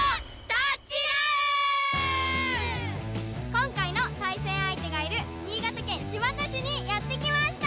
今回の対戦あい手がいる新潟県新発田市にやってきました！